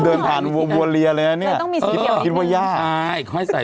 เดินผ่านณวิวาเหรียเลยเนี่ยแต่ต้องยาวเอ้ยอ้าวใส่